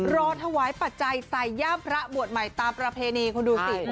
รอถวายปัจจัยใส่ย่ามพระบวชใหม่ตามประเพณีคุณดูสิ